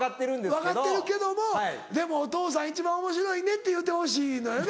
分かってるけどもでも「お父さん一番おもしろいね」って言うてほしいのよな。